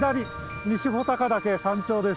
西穂高岳山頂です。